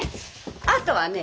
あとはね